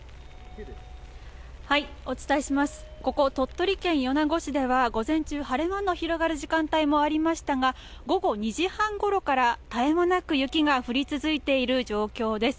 ここ、鳥取県米子市では午前中、晴れ間が広がる時間帯もありましたが午後２時半ごろから絶え間なく雪が降り続いている状況です。